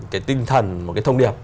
cái tinh thần một cái thông điệp